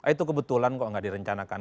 itu kebetulan kok nggak direncanakan